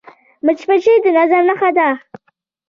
مچمچۍ د نظم نښه ده